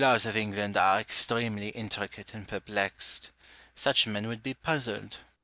The laws of England are extremely intricate and perplexed : such men would be puzzled.